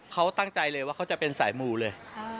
เขาตั้งใจเลยว่าเขาจะเป็นสายมูเลย